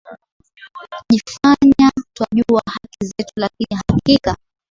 jifanya twajua haki zetu lakini hakika